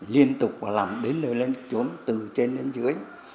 liên tục và làm đến nơi lên trốn từ trên đến dưới